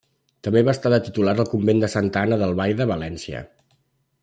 També va estar de titular al convent de Santa Anna d'Albaida, València.